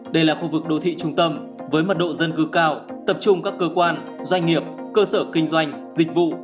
đây là khu vực đô thị trung tâm với mật độ dân cư cao tập trung các cơ quan doanh nghiệp cơ sở kinh doanh dịch vụ